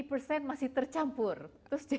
maksudnya kita harus mengambil sampah